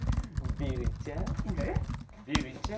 ビールいっちゃう？